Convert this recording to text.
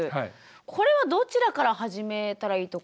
これはどちらから始めたらいいとか？